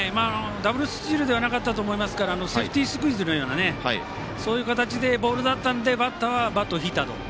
ダブルスチールではないと思いますからセーフティースクイズのようなそういう形でボールだったのでバッターは、バットを引いたと。